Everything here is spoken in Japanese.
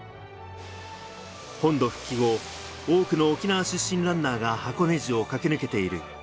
本土復帰後、多くの沖縄出身ランナーが箱根路を駆け抜けている。